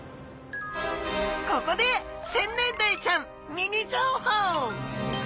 ここでセンネンダイちゃんミニ情報！